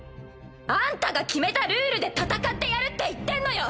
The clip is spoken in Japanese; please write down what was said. あんたが決めたルールで戦ってやるって言ってんのよ。